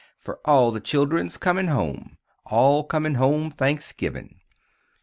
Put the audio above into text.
Fer all the children's comin' home All comin' home Thanksgivin'.